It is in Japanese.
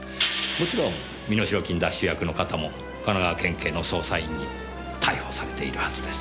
もちろん身代金奪取役の方も神奈川県警の捜査員に逮捕されているはずです。